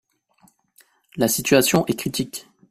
La situation est critique.